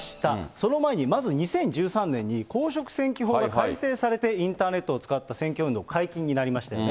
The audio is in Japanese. その前に、まず２０１３年に公職選挙法が改正されて、インターネットを使った選挙運動解禁になりましたよね。